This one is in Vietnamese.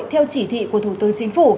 theo chỉ thị của thủ tướng chính phủ